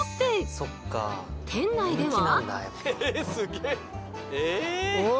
店内では。